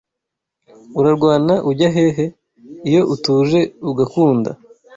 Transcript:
Urarwana ujya hehe? Iyo utuje ugakunda